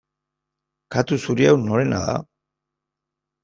Katu zuri hau norena da?